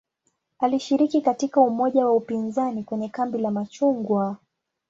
Alishiriki katika umoja wa upinzani kwenye "kambi la machungwa".